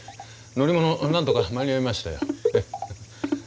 乗り物なんとか間に合いましたよ。